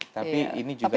tapi ini juga masalah